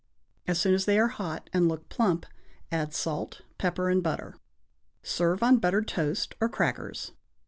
As soon as they are hot and look plump, add salt, pepper and butter. Serve on buttered toast or crackers.